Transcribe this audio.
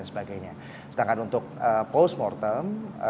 sedangkan untuk post mortem